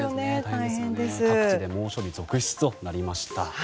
各地で猛暑日続出となりました。